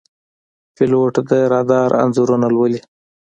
پیلوټ د رادار انځورونه لولي.